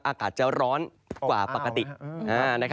อากาศจะร้อนกว่าปกติ